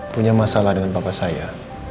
punya masalah dengan bapak saya